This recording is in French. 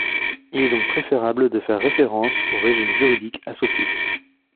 Il est donc préférable de faire référence au régime juridique associé.